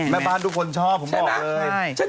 แม่บ้านทุกคนชอบใช่ไหมใช่